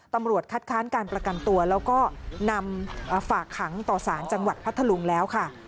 ตำรวจคัดค้านการประกันตัวแล้วก็นำฝากขังต่อสารจังหวัดพัทธลุงแล้วค่ะ